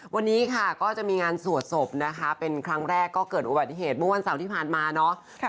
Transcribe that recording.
วันนี้ค่ะก็จะมีงานสวดศพนะคะเป็นครั้งแรกก็เกิดอุบัติเหตุเมื่อวันเสาร์ที่ผ่านมาเนาะ